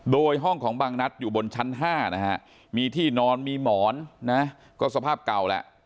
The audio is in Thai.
โดยห้องของบางนัดอยู่บนชั้น๕นะฮะมีที่นอนมีหมอนนะก็สภาพเก่าแหละ